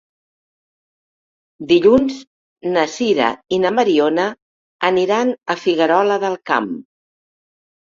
Dilluns na Sira i na Mariona aniran a Figuerola del Camp.